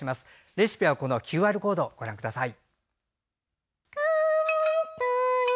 レシピはこのＱＲコードをご覧ください。